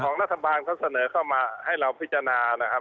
ของรัฐบาลเขาเสนอเข้ามาให้เราพิจารณานะครับ